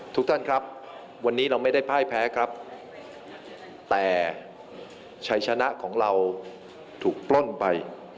ทุกท่านครับวันนี้เราไม่ได้พ่ายแพ้ครับแต่ชัยชนะของเราถูกปล้นไป